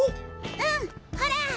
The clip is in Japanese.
うんほら。